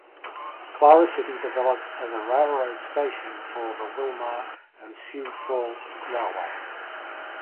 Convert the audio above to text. Clara City developed as a railroad station for the Willmar and Sioux Falls Railway.